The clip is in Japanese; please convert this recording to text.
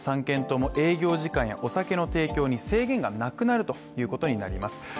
３県とも営業時間やお酒の提供に制限がなくなることになります。